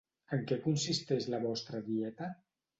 En què consisteix la vostra dieta?